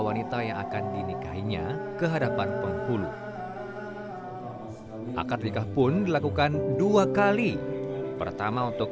wanita yang akan dinikahinya kehadapan penghulu akad nikah pun dilakukan dua kali pertama untuk